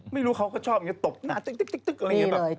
ไม่รู้เขาก็ชอบอย่างนี้ตบหน้าตึ๊กอะไรอย่างนี้เลย